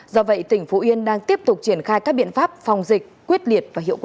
do vậy tỉnh phú yên đang tiếp tục triển khai các biện pháp phòng dịch quyết liệt và hiệu quả